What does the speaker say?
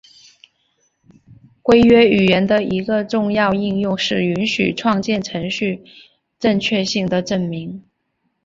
规约语言的一个重要应用是允许创建程序正确性的证明。